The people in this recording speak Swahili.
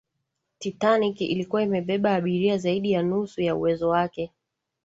titanic ilikuwa imebeba abiria zaidi ya nusu ya uwezo wake